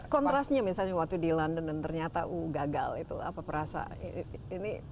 kontrasnya misalnya waktu di london dan ternyata gagal itu apa perasaan ini